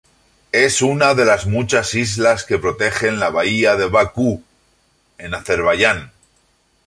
Es una de las muchas islas que protegen la bahía de Bakú, en Azerbaiyán.